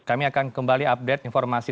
kami akan kembali update informasi